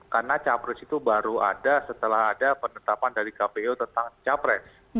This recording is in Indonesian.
karena capres itu baru ada setelah ada penetapan dari kpu tentang capres